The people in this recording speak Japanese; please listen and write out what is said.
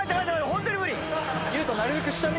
ホントに無理。